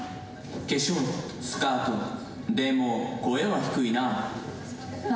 化粧、スカート、でも声は低いなぁ。